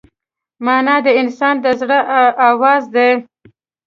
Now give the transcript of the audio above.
مانا د انسان د زړه آواز دی.